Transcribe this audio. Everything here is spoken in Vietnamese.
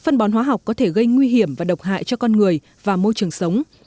phân bón hóa học có thể gây nguy hiểm và độc hại cho con người và môi trường sống